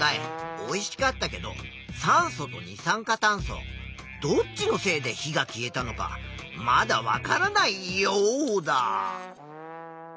おいしかったけど酸素と二酸化炭素どっちのせいで火が消えたのかまだわからないヨウダ。